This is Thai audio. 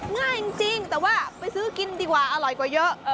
ง่ายจริงแต่ว่าไปซื้อกินดีกว่าอร่อยกว่าเยอะ